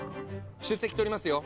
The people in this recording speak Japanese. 出席取りますよ。